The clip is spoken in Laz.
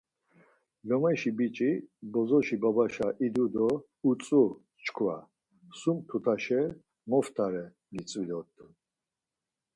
Lomeşi biç̌i bozoşi babaşa idu do utzu çkva, Sum tutaşa moptare gitzvi dort̆un.